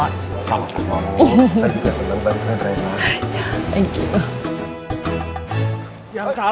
ada baran dovita saya pak